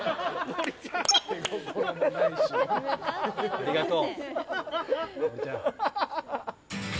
ありがとう。